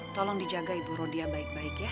tolong dijaga ibu rodia baik baik ya